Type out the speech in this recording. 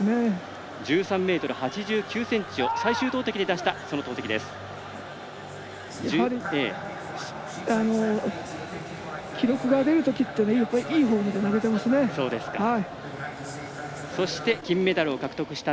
１３ｍ８９ｃｍを最終投てきで出しました。